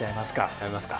食べますか？